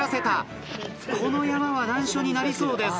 この山は難所になりそうです。